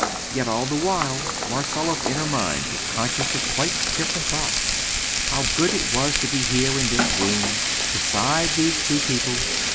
Yet, all the while, Marcella's inner mind was conscious of quite different thoughts. How good it was to be here, in this room, beside these two people!